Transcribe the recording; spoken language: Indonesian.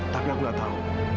tapi aku tidak tahu